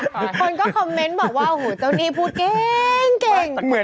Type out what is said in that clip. เนี่ยคนก็คอมเมนต์บอกว่าโอ้โหตัวนี้พูดเก่ง